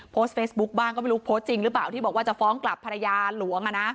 โพสต์เฟซบุ๊คบ้างก็ไม่รู้โพสต์จริงหรือเปล่าที่บอกว่าจะฟ้องกลับภรรยาหลวง